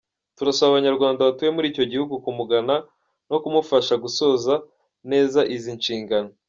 Turasaba Abanyarwanda batuye muri icyo gihugu kumugana no kumufasha gusohoza neza izi nshingano.